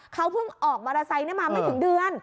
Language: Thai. เขาเพิ่งออกมอเตอร์ไซค์มาไม่ถึงเดือน